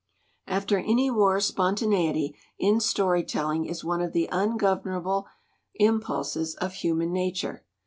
" After any war spontaneity in story telling is one of the ungovernable impulses of human nature.